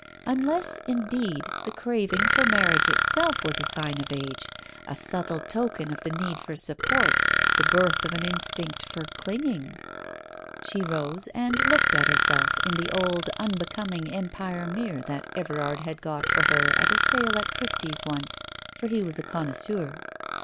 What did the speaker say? ... Unless, indeed, the craving for marriage itself was a sign of age, a subtle token of the need for support, the birth of an instinct for clinging ? She rose and looked at herself in the old, unbecoming Empire mirror that Everard had got for her at a sale at Christie's once, for he was a connoisseur.